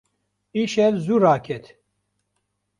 Îşev zû raket.